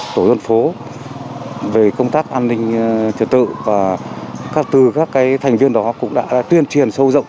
tổ dân phố về công tác an ninh trật tự và từ các thành viên đó cũng đã tuyên truyền sâu rộng